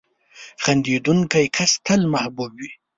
• خندېدونکی کس تل محبوب وي.